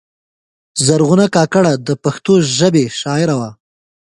زرغونه کاکړه د پښتو ژبې شاعره وه.